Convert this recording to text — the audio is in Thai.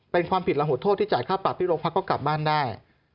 เป็นความผิดระหดโทษที่จ่ายค่าปรับที่โรงพักก็กลับบ้านได้